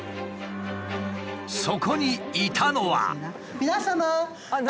そこにいたのは。